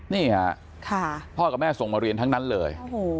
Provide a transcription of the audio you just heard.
นี่ค่ะพ่อกับแม่ส่งมาเรียนทั้งนั้นเลย